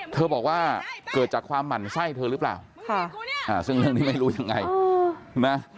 เธอบอกว่าเกิดจากความหมั่นไส้เธอหรือเปล่าซึ่งเรื่องนี้ไม่รู้ยังไงนะ